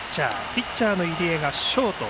ピッチャーの入江がショート。